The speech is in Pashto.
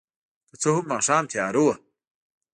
که څه هم ماښام تیاره وه.